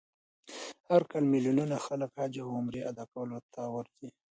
هر کال میلیونونه خلک عمره او حج ادا کولو ته ورځي.